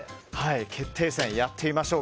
決定戦をやってみましょう。